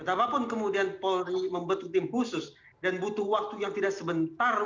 apapun kemudian polri membentuk tim khusus dan butuh waktu yang tidak sebentar